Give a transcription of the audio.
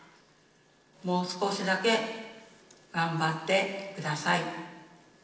もう少しだけ頑張ってください。